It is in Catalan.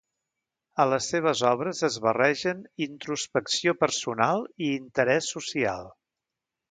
A les seves obres es barregen introspecció personal i interès social.